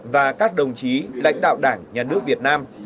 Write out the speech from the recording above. và các đồng chí lãnh đạo đảng nhà nước việt nam